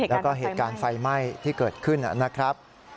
แล้วก็เหตุการณ์ไฟไหม้ที่เกิดขึ้นนะครับ